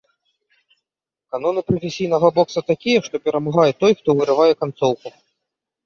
Каноны прафесійнага бокса такія, што перамагае той, хто вырывае канцоўку.